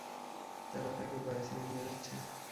তারা তাকে বায়োসিনে নিয়ে যাচ্ছে।